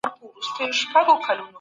روغتیايي خدمات هم پر اقتصاد اغېز لري.